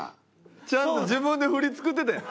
ちゃんと自分で振り作ってたやん。